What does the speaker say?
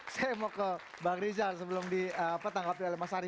saya mau ke bang rizal sebelum ditangkap oleh mas ari